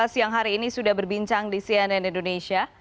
siang hari ini sudah berbincang di cnn indonesia